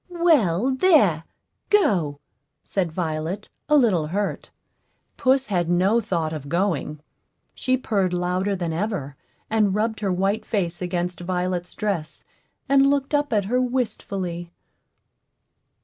"Well, there go," said Violet, a little hurt. Puss had no thought of going; she purred louder than ever, and rubbed her white face against Violet's dress, and looked up at her wistfully.